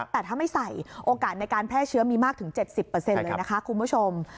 แต่ถ้าไม่ใส่โอกาสในการแพร่เชื้อมีมากถึง๗๐เลยนะคะคุณผู้ชม